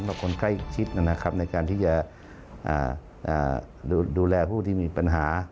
ให้ต่งคนใกล้ชิดในการที่จะดูแลผู้ที่มีปัญหา